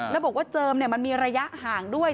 แล้วบอกว่าเจิมมันมีระยะห่างด้วย